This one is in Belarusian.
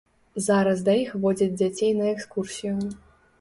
Зараз да іх водзяць дзяцей на экскурсію.